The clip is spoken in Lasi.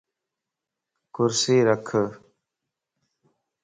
ڪرسي رک